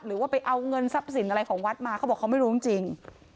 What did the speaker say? หรือว่าไปเอาเงินทรัพย์สินอะไรของวัดมาเขาบอกเขาไม่รู้จริง